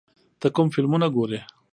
ته کوم فلمونه ګورې؟